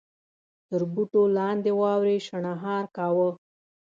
تر بوټو لاندې واورې شڼهار کاوه.